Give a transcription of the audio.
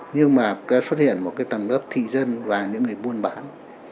nhưng mà xuất hiện một cái tầm lớp thị dân và những người buôn bản